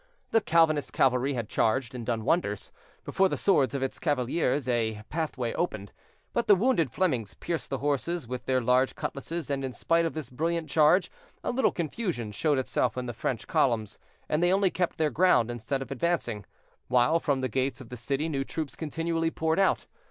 The Calvinist cavalry had charged, and done wonders. Before the swords of its cavaliers a pathway opened, but the wounded Flemings pierced the horses with their large cutlasses, and in spite of this brilliant charge, a little confusion showed itself in the French columns, and they only kept their ground instead of advancing, while from the gates of the city new troops continually poured out.